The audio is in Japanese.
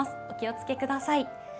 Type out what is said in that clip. お気をつけください。